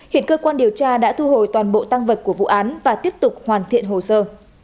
hiện cơ quan điều tra đã thu hồi toàn bộ tăng vật của vụ án và tiếp tục hoàn thiện hồ sơ